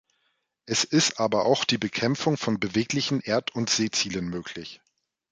Es ist aber auch die Bekämpfung von beweglichen Erd- und Seezielen möglich.